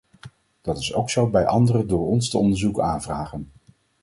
Dat is ook zo bij andere door ons te onderzoeken aanvragen.